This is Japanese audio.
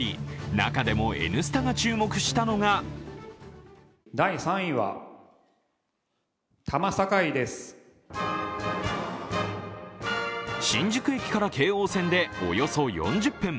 中でも「Ｎスタ」が注目したのが新宿駅から京王線でおよそ４０分。